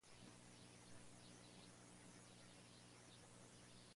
El libro está liberado bajo licencia Creative Commons.